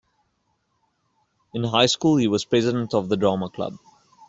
In high school he was president of the Drama Club.